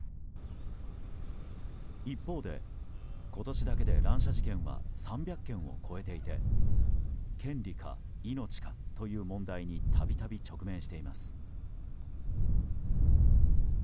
一方で今年だけで乱射事件は３００件を超えていて権利か命かという問題に度々直面しています。